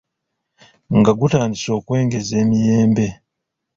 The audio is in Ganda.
nga gutandise okwengeza emiyembe.